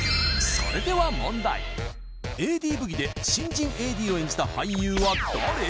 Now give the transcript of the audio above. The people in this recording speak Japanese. それでは問題「ＡＤブギ」で新人ＡＤを演じた俳優は誰？